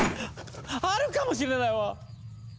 あるかもしれないわ！